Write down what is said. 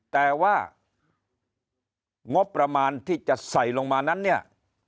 แต่ว่างบประมาณที่จะใส่ลงมานั้นเนี่ย